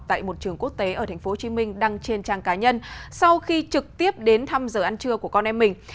tại một trường quốc tế ở tp hcm đăng trên trang cá nhân sau khi trực tiếp đến thăm giờ ăn trưa của con em mình